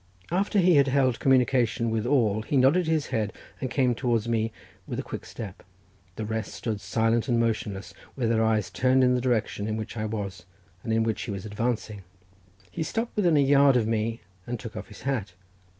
After he had held communication with all, he nodded his head, and came towards me with a quick step; the rest stood silent and motionless, with their eyes turned in the direction in which I was, and in which he was advancing. He stopped within a yard of me, and took off his hat.